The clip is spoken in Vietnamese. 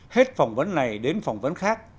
hết phỏng vấn này đến phỏng vấn khác